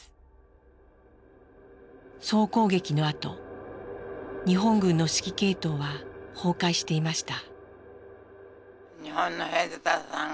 総攻撃のあと日本軍の指揮系統は崩壊していました。